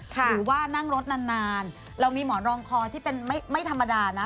หรือว่านั่งรถนานเรามีหมอนรองคอที่เป็นไม่ธรรมดานะ